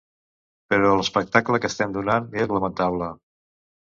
Però l’espectacle que estem donant és lamentable.